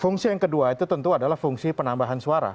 fungsi yang kedua itu tentu adalah fungsi penambahan suara